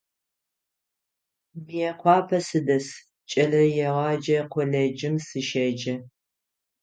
Мыекъуапэ сыдэс, кӏэлэегъэджэ колледжым сыщеджэ.